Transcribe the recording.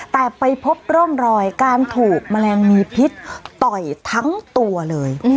แต่ไปพบร่องรอยการถูกแมลงมีพิษต่อยทั้งตัวเลย